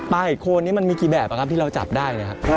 ปลาเห็ดโคลนนี่มันมีกี่แบบที่เราจับได้ครับ